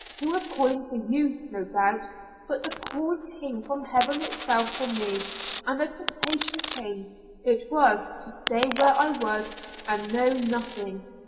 He was calling for you no doubt, but the call came from heaven itself for me, and the temptation came. It was, to stay where I was and know nothing.